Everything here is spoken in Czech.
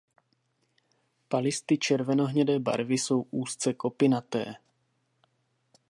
Palisty červenohnědé barvy jsou úzce kopinaté.